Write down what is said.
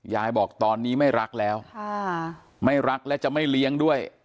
ยายบอกตอนนี้ไม่รักแล้วไม่รักและจะไม่เลี้ยงด้วย